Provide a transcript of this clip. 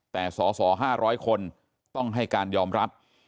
แต่สอห้าร้อยคนต้องให้การยอมรับ